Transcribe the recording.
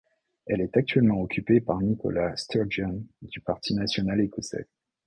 Elle est actuellement occupée par Nicola Sturgeon, du Parti national écossais.